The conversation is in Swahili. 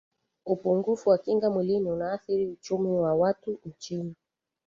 upungufu wa kinga mwilini unathiri uchumi wa watu nchini